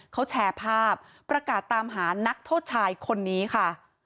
เขาแชร์ภาพประกาศตามหานักโทษชายคนนี้ค่ะ